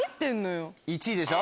１位でしょ？